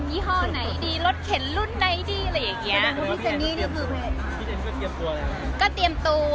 ยี่ห้อไหนดีรถเข็นรุ่นไหนดี